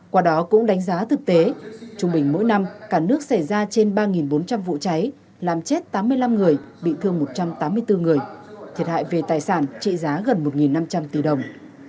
qua đó cũng đánh giá thực tế trung bình mỗi năm cả nước xảy ra trên ba bốn trăm linh vụ cháy làm chết tám mươi năm người bị thương một trăm tám mươi bốn người thiệt hại về tài sản trị giá gần một năm trăm linh tỷ đồng